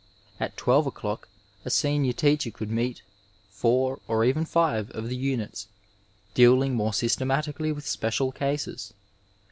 At 12 o'clock a senior teacher could meet four, or even five, of the units, dealing more sjmtematically with special cases.